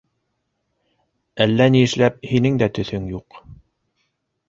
Әллә ни эшләп һинең дә төҫөң юҡ.